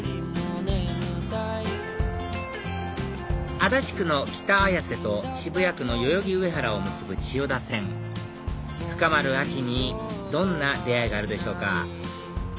足立区の北綾瀬と渋谷区の代々木上原を結ぶ千代田線深まる秋にどんな出会いがあるでしょうか？